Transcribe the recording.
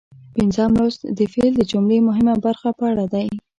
پنځم لوست د فعل د جملې مهمه برخه په اړه دی.